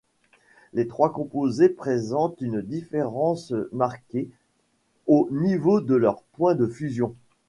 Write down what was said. Les trois composés présentent une différence marquée au niveau de leur point de fusion.